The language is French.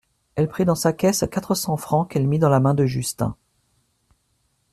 Elle prit dans sa caisse quatre cents francs qu'elle mit dans la main de Justin.